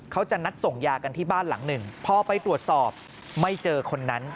เขาจะนัดส่งยากันที่บ้านหลังหนึ่งพอไปตรวจสอบไม่เจอคนนั้น